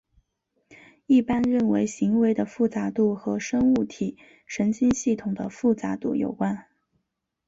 一般认为行为的复杂度和生物体神经系统的复杂度有关。